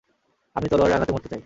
আমি তলোয়ারের আঘাতে মরতে চাই।